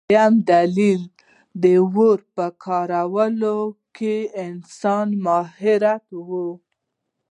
دویم دلیل د اور په کارولو کې د انسان مهارت و.